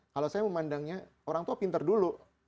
kalau saya memandangnya orang tua pinter dulu